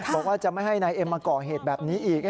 บอกว่าจะไม่ให้นายเอ็มมาก่อเหตุแบบนี้อีก